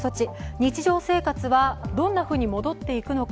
日常生活はどんなふうに戻っていくのか。